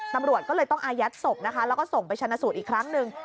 ตำรวจก็เลยต้องอายัดศพนะคะแล้วก็ส่งไปชนะสูตรอีกครั้งหนึ่ง